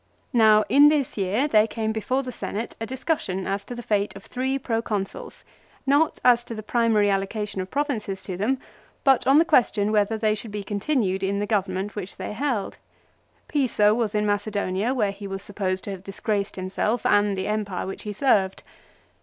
Now in this year _, there came before the Senate a discussion as to JD.\J Ob. setat. 51. th e f ate Q f three Proconsuls, not as to the primary allocation of provinces to them, but on the question whether they should be continued in the government which they held. Piso was in Macedonia, where he was supposed to have disgraced himself and the empire which he served.